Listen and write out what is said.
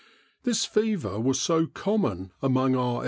This fever was so common among our E.